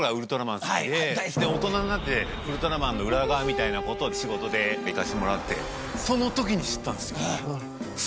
『ウルトラマン』の裏側みたいなことを仕事で行かせてもらってその時に知ったんですよ。